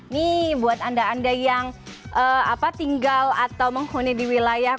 nih buat anda anda yang tinggal atau menghuni di wilayah